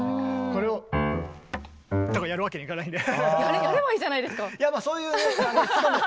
これを。とかやるわけにはいかないんで。